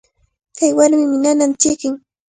Kay warmimi nananta chiqnin.